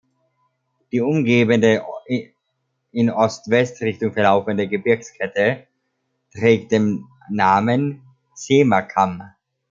Die umgebende in Ost-West-Richtung verlaufende Gebirgskette trägt den Namen "Sema-Kamm".